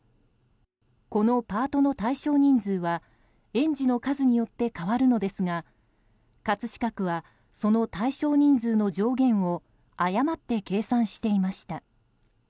このパートの対象人数は園児の数によって変わるのですが葛飾区は、その対象人数の上限を誤って計算していました。